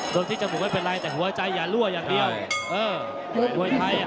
ต้องที่จมูกมันเป็นไรแต่หัวใจอย่ารั่วอย่างเดียว